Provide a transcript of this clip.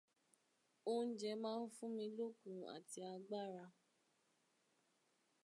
Oúnjẹ máa n fúnni lókun àti agbára.